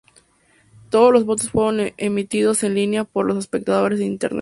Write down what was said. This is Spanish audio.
Todos los votos fueron emitidos en línea por los espectadores de Internet.